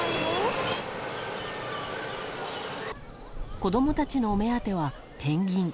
子供たちのお目当てはペンギン。